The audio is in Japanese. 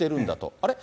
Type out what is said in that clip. あれ？